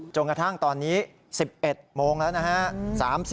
จนกระทั่งตอนนี้๑๑โมงแล้วนะฮะ